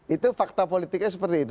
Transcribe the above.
itu fakta politiknya seperti itu